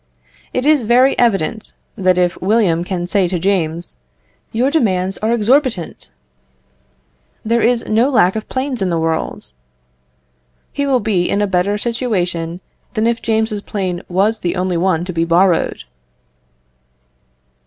It is very evident, that if William can say to James, "Your demands are exorbitant; there is no lack of planes in the world;" he will be in a better situation than if James's plane was the only one to be borrowed.